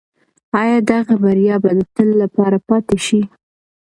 آیا دغه بریا به د تل لپاره پاتې شي؟